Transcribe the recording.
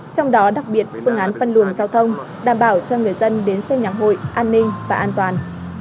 trong đó đặc biệt phương án phân luồng giao thông đảm bảo cho người dân đến xem nhạc hội an ninh và an toàn